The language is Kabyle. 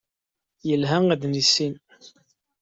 Yelha ad t-nissin.